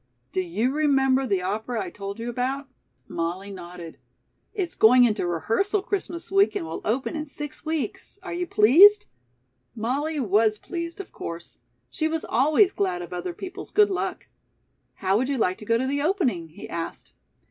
Do you remember the opera I told you about?" Molly nodded. "It's going into rehearsal Christmas week and will open in six weeks. Are you pleased?" Molly was pleased, of course. She was always glad of other people's good luck. "How would you like to go to the opening?" he asked.